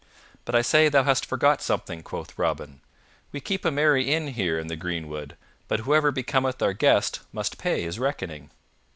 "But I say thou hast forgot something," quoth Robin. "We keep a merry inn here in the greenwood, but whoever becometh our guest must pay his reckoning."